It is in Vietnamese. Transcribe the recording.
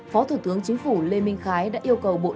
phó thủ tướng chính phủ lê minh khái đã yêu cầu bộ giao thông vận tải